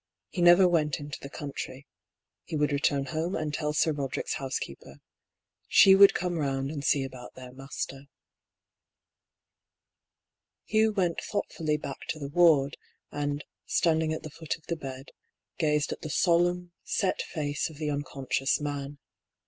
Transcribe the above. He never went into the country. He would return home and tell Sir Roderick's housekeeper. She would come round and see about their master. PATE, 8 Hugh went thoughtfully back to the ward, and stand ing at the foot of the bed gazed at the solemn, set face of the unconscious man.